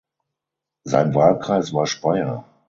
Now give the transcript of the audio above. Sein Wahlkreis war Speyer.